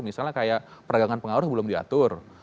misalnya kayak peragangan pengaruh belum diatur